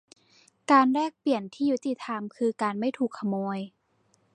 การแลกเปลี่ยนที่ยุติธรรมคือการไม่ถูกขโมย